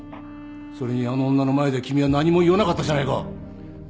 それにあの女の前で君は何も言わなかったじゃないか！